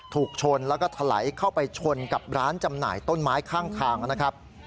ถูกชนแล้วก็ถลายเข้าไปชนกับร้านจำหน่ายต้นไม้ข้างทางนะครับ